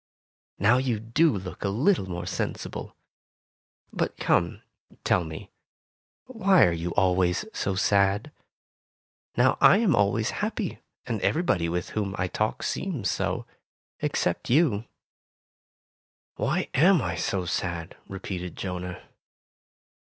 Now you do look a little more sensible. But come, tell me, why are you always so sad ? Now I am always happy, and everybody with whom I talk seems so, except you." 6o Tales of Modern Germany ''Why am I so sad?" repeated Jonah.